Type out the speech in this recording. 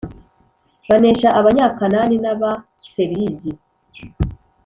banesha Abanyakanani n Abaferizi